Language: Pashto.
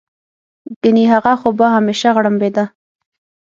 ګنې هغه خو به همېشه غړمبېده.